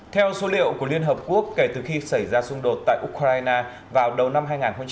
theo số liệu của liên hợp quốc kể từ khi xảy ra xung đột tại ukraine vào đầu năm hai nghìn một mươi chín